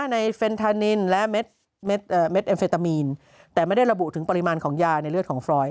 ในเฟนทานินและเม็ดเอ็มเฟตามีนแต่ไม่ได้ระบุถึงปริมาณของยาในเลือดของฟรอยด